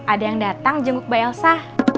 ada yang datang jenguk mbak elsa